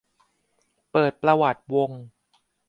เปิดประวัติวง